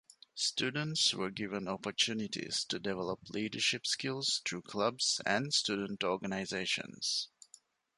Students were given opportunities to develop leadership skills through clubs and student organizations.